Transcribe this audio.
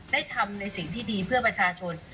ได้ทำในสิ่งที่ดีเพื่อประชาชน